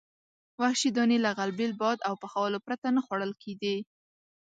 وحشي دانې له غلبیل، باد او پخولو پرته نه خوړل کېدې.